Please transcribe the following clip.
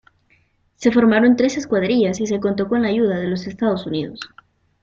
Se formaron tres escuadrillas y se contó con la ayuda de los Estados Unidos.